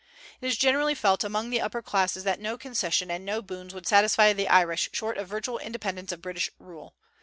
It is generally felt among the upper classes that no concession and no boons would satisfy the Irish short of virtual independence of British rule.